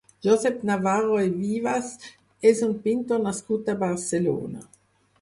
Josep Navarro i Vives és un pintor nascut a Barcelona.